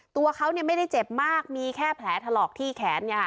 ตัวเขาเนี่ยไม่ได้เจ็บมากมีแค่แผลทะเลาะที่แขนเนี่ย